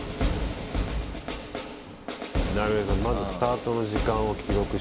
まずスタートの時間を記録して映して。